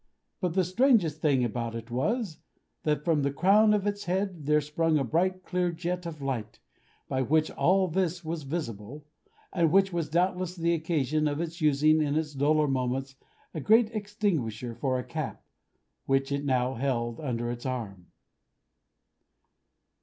But the strangest thing about it was, that from the crown of its head there sprung a bright clear jet of light, by which all this was visible; and which was doubtless the occasion of its using, in its duller moments, a great extinguisher for a cap, which it now held under its arm.